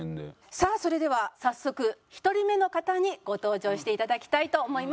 さあそれでは早速１人目の方にご登場していただきたいと思います。